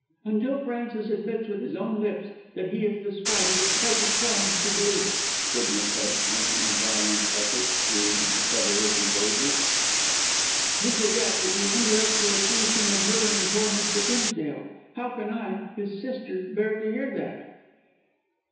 "Until Francis admits with his own lips that he is The Spider I decline to believe it," said Miss Hest, making a violent effort to recover her composure. "You forget that you indirectly accuse him of murdering poor Mr. Dimsdale. How can I, his sister, bear to hear that?"